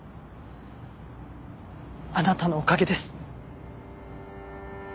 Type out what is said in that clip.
あなたのおかげです。